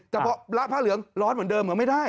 แต่พอพระเหลืองร้อนเหมือนเดิมก็ไม่ได้